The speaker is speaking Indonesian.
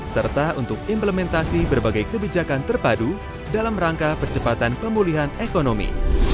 serta untuk implementasi berbagai kebijakan terpadu dalam rangka percepatan pemulihan ekonomi